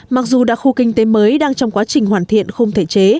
mặc dù đã khu kinh tế mới đang trong quá trình hoàn thiện không thể chế